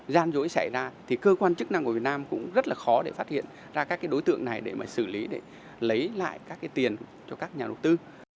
gian dối xảy ra thì cơ quan chức năng của việt nam cũng rất là khó để phát hiện ra các đối tượng này để mà xử lý để lấy lại các cái tiền cho các nhà đầu tư